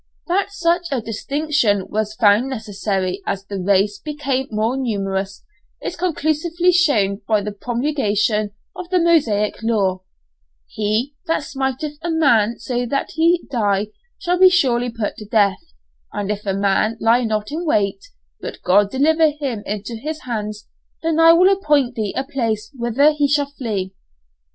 That such a distinction was found necessary as the race became more numerous, is conclusively shown by the promulgation of the Mosaic law: "He that smiteth a man so that he die shall be surely put to death, and if a man lie not in wait, but God deliver him into his hand, then I will appoint thee a place whither he shall flee."